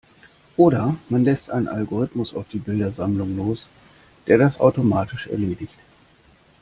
Oder man lässt einen Algorithmus auf die Bildersammlung los, der das automatisch erledigt.